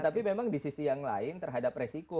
tapi memang di sisi yang lain terhadap resiko